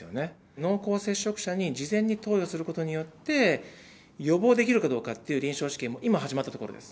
濃厚接触者に事前に投与することによって、予防できるかどうかっていう臨床試験も今、始まったところです。